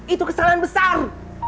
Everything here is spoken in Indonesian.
itu kesalahan besar